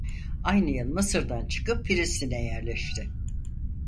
Aynı yıl Mısır'dan çıkıp Filistin'e yerleşti.